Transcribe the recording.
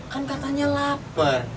kan katanya lapar